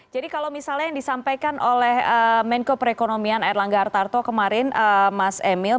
jadi kalau misalnya yang disampaikan oleh menko perekonomian erlangga hartarto kemarin mas emil